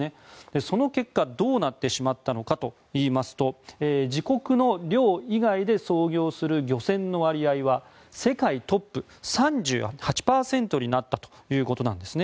その結果どうなってしまったのかというと自国の領海以外で操業する漁船の割合は世界トップ、３８％になったということなんですね。